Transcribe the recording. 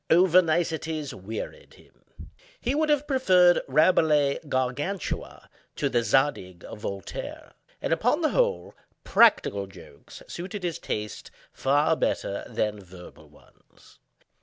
Over niceties wearied him. He would have preferred Rabelais' "Gargantua" to the "Zadig" of Voltaire: and, upon the whole, practical jokes suited his taste far better than verbal ones.